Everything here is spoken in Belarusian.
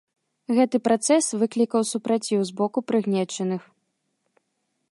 Гэты працэс выклікаў супраціў з боку прыгнечаных.